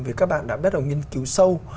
vì các bạn đã bắt đầu nghiên cứu sâu